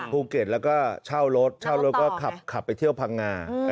ภูเก็ตแล้วก็เช่ารถเช่ารถก็ขับไปเที่ยวพังงา